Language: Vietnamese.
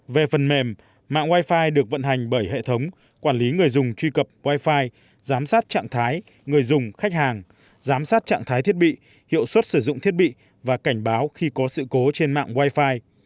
về phần mềm mạng wi fi được vận hành bởi hệ thống quản lý người dùng truy cập wi fi giám sát trạng thái người dùng khách hàng giám sát trạng thái thiết bị hiệu suất sử dụng thiết bị và cảnh báo khi có sự cố trên mạng wi fi